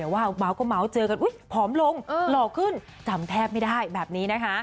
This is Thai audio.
วันนี้ว่าเจอกันอุ๊ยผอมลงหล่อขึ้นจำแทบไม่ได้แบบนี้นะคะ